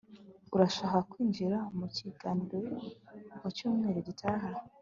urashaka kwinjira mukiganiro mucyumweru gitaha